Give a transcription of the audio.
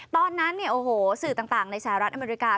ตอนนั้นสื่อต่างในแสนแสนรัฐอเมริกา